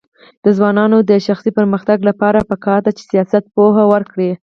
د ځوانانو د شخصي پرمختګ لپاره پکار ده چې سیاست پوهه ورکړي.